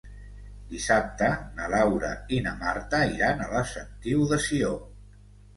Dissabte na Laura i na Marta iran a la Sentiu de Sió.